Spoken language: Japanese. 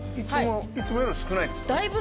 いつもより少ないんですね？